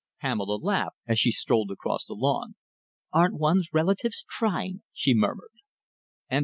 '" Pamela laughed as she strolled across the lawn. "Aren't one's relatives trying!" she murmured.